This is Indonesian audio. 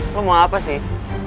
lo mau apa sih